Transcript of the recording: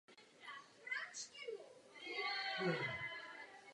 Jedním ze způsobů implementace je rozhraní.